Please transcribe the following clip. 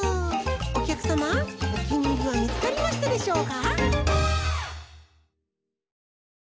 おきゃくさまおきにいりはみつかりましたでしょうか？